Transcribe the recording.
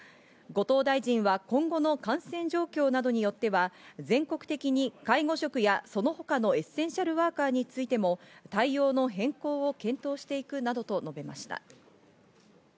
後藤大臣は今後の感染状況などによっては、全国的に介護職やその他のエッセンシャルワーカーについても対応の変更を検討していくなどと述べました。